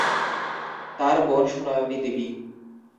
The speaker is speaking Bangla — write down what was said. তাঁর বোন সুনয়নী দেবী।